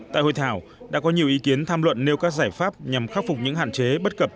tại hội thảo đã có nhiều ý kiến tham luận nêu các giải pháp nhằm khắc phục những hạn chế bất cập